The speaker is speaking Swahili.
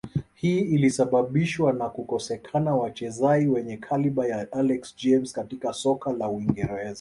Hii ilisababishwa na kukosekana wachezai wenye kaliba ya Alex James katika soka la uingereza